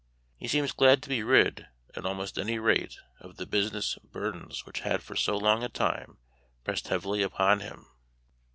He seems glad to be rid, at almost any rate, of the busi ness burdens which had for so long a time pressed heavily upon him.